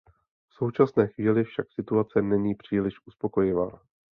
V současné chvíli však situace není příliš uspokojivá.